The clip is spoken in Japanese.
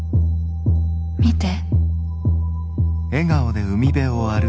見て。